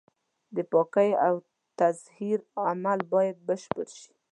د پاکۍ او تطهير عمل بايد بشپړ شي.